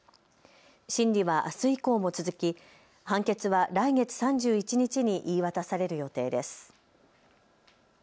審理はあす以降も続き判決は来月３１日に言い渡される予定です。